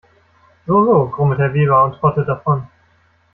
So so, grummelt Herr Weber und trottet davon.